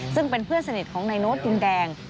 ซึ่งเป็นเพื่อนสนิทของนายโน้ตดินแดง